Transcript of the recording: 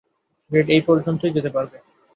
Red এই পর্যন্তই যেতে পারবে।